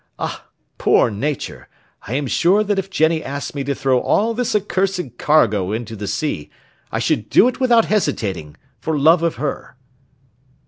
Ah! poor nature, I am sure that if Jenny asked me to throw all this cursed cargo into the sea, I should do it without hesitating, for love of her."